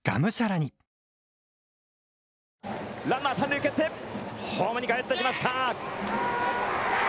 ランナー、三塁蹴ってホームに帰ってきました。